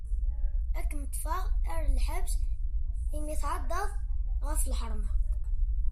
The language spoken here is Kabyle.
Ad kem-ṭfeɣ ɣer lḥebs imi tetɛeddaḍ ɣef lḥarma.